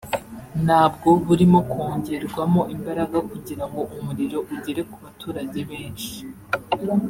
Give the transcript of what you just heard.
na bwo burimo kongerwamo imbaraga kugira ngo umuriro ugere ku baturage benshi